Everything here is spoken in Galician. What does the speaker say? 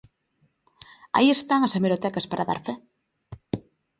Aí están as hemerotecas para dar fe.